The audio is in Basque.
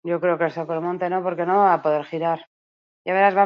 Israelek Gazari ezarritako blokeoak zerrendako egoera humanitarioa erabat okertu du.